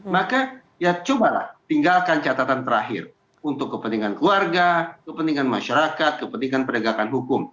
maka ya cobalah tinggalkan catatan terakhir untuk kepentingan keluarga kepentingan masyarakat kepentingan penegakan hukum